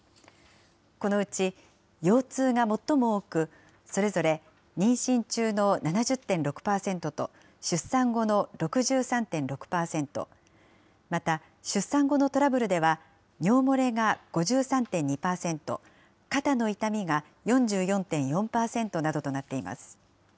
このうち腰痛が最も多く、それぞれ妊娠中の７０．６％と、出産後の６３．６％、また、出産後のトラブルでは尿漏れが５３．２％、肩の痛みが４４．４％などとなっています。